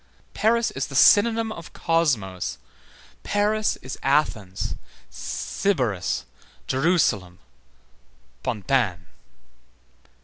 Paris is the synonym of Cosmos, Paris is Athens, Sybaris, Jerusalem, Pantin.